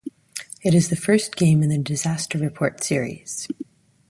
It is the first game in the "Disaster Report" series.